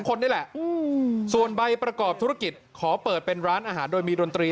คนนี่แหละส่วนใบประกอบธุรกิจขอเปิดเป็นร้านอาหารโดยมีดนตรี